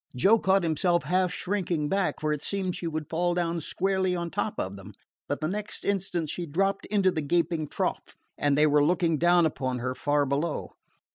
Joe caught himself half shrinking back, for it seemed she would fall down squarely on top of them; but the next instant she dropped into the gaping trough, and they were looking down upon her far below.